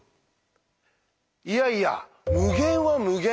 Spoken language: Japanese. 「いやいや無限は無限。